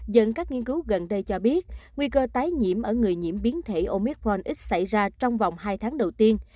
dẫn các nghiên cứu gần đây cho biết nguy cơ tái nhiễm ở người nhiễm biến thể omicronx xảy ra trong vòng hai tháng đầu tiên